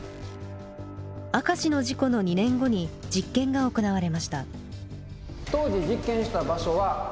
明石の事故の２年後に実験が行われました。